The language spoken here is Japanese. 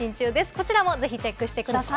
こちらもぜひチェックしてください。